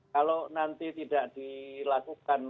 kalau nanti tidak dilakukan